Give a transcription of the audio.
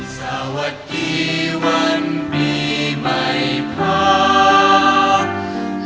สวัสดีวันปีไม่พร้อม